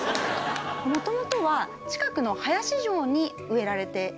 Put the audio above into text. もともとは近くの林城に植えられていたそうなんです。